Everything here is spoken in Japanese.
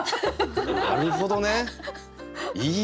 なるほどね。